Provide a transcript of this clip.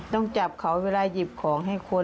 ต้องจับเขาเวลาหยิบของให้คน